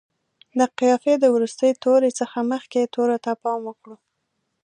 د قافیې د وروستي توري څخه مخکې تورو ته پام وکړو.